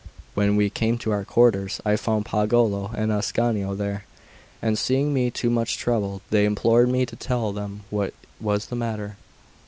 When we came to our quarters, I found Pagolo and Ascanio there; and seeing me much troubled, they implored me to tell them what was the matter.